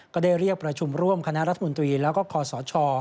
ก็ได้เรียกประชุมร่วมคณะรัฐมนตรีแล้วก็คอสช